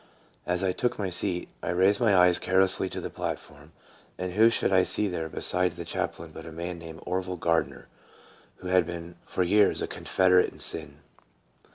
As I took my seat, I raised my eyes carelessly to the platform, and who should I see there' beside the chaplain but a man named Orville Gardner, who had been THE L OST SHEEP FO UND. 1 7 for years a confederate in sin.